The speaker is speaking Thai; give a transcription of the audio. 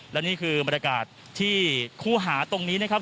และนี่คือบรรยากาศที่คู่หาตรงนี้นะครับ